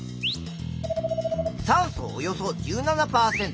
酸素およそ１７％。